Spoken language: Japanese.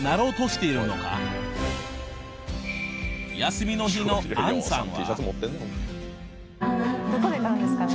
休みの日のアンさんは